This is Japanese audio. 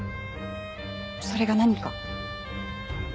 それが何か？